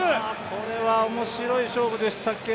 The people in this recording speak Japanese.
これは面白い勝負です